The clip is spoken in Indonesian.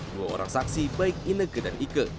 dua orang saksi baik indah kekus herawati dan iker rahmawati